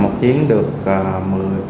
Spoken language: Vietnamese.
mà một chiếc là bốn chiếc